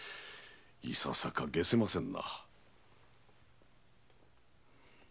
いささか解せませぬ。